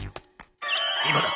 今だ！